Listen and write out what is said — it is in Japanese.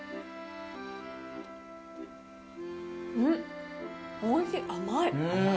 うんおいしい甘い。